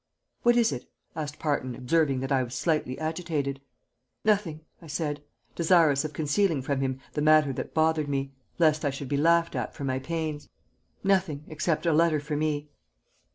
"What is it?" asked Parton, observing that I was slightly agitated. "Nothing," I said, desirous of concealing from him the matter that bothered me, lest I should be laughed at for my pains. "Nothing, except a letter for me."